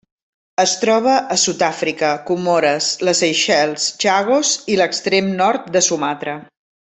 Es troba a Sud-àfrica, Comores, les Seychelles, Chagos i l'extrem nord de Sumatra.